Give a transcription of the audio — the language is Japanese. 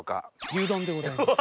牛丼でございます。